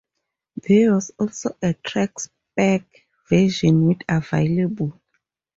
There was also a "track spec" version with available.